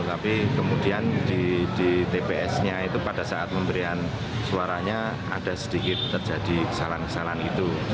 tapi kemudian di tps nya itu pada saat pemberian suaranya ada sedikit terjadi kesalahan kesalahan itu